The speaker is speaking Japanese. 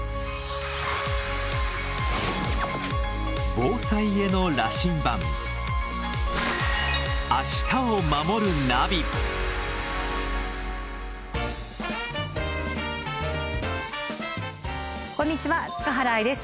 防災への羅針盤こんにちは塚原愛です。